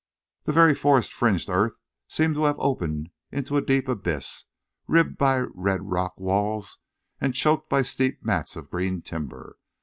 The very forest fringed earth seemed to have opened into a deep abyss, ribbed by red rock walls and choked by steep mats of green timber.